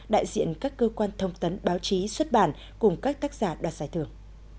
đại diện các cơ quan thông tấn báo chí xuất bản cùng các tác giả đoạt giải thưởng